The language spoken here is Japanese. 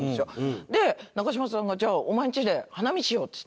中島さんが「じゃあお前んちで花見しよう」っつって。